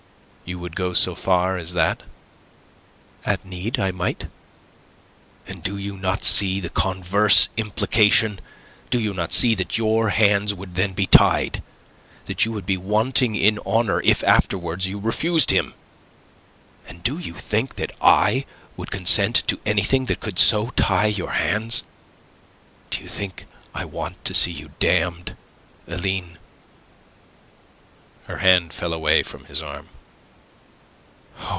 You would go so far as that?" "At need, I might." "And do you not see the converse implication? Do you not see that your hands would then be tied, that you would be wanting in honour if afterwards you refused him? And do you think that I would consent to anything that could so tie your hands? Do you think I want to see you damned, Aline?" Her hand fell away from his arm.